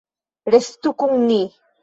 Restu kun ni.